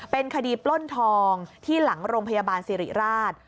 เป็นคดีปล้นทองที่หลังโรงพยาบาลสิริราช